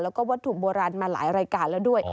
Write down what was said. แล้วก็วัตถุโบราณมาหลายรายการแล้วด้วย